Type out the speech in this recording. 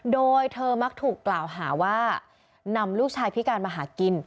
โดยเธอมักถูกกล่าวหาว่านำลูกชายพิการมาหากิน